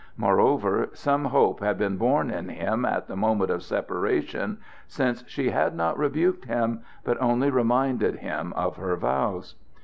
Moreover, some hope had been born in him at the moment of separation, since she had not rebuked him, but only reminded him of her vows.